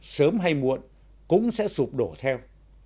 sớm hay muộn cũng sẽ sụp đổ theo